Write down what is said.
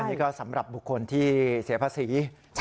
นี่ก็สำหรับบุคคลที่เสียภาษี